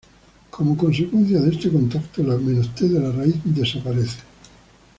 Como consecuencia de este contacto, la "-t" de la raíz desaparece.